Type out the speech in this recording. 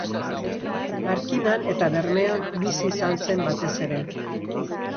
Markinan eta Bermeon bizi izan zen batez ere.